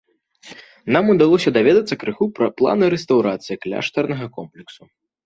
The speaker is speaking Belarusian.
Нам удалося даведацца крыху пра планы рэстаўрацыі кляштарнага комплексу.